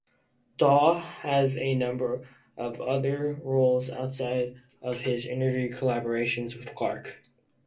Dawe has a number of other roles outside of his interview collaborations with Clarke.